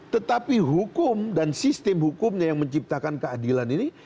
tetapi hukum dan sistem hukumnya yang menciptakan keadilan ini